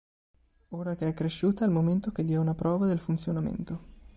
Ora che è cresciuta, è il momento che dia una prova del funzionamento.